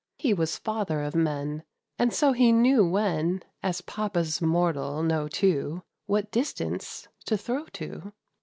He was father of men, And so he knew when, As papas mortal know too, What distance to throw to.